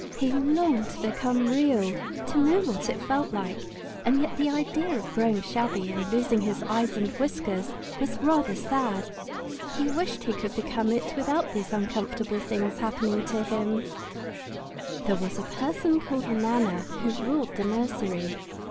He longed to become Real, to know what it felt like; and yet the idea of growing shabby and losing his eyes and whiskers was rather sad. He wished that he could become it without these uncomfortable things happening to him. There was a person called Nana who ruled the nursery.